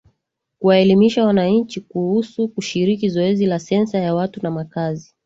Kuwaelimisha wananchi kuhusu kushiriki zoezi la Sensa ya Watu na Makazi